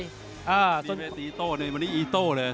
มีเวทย์ตีโต้นึงวันนี้อีโต้เลย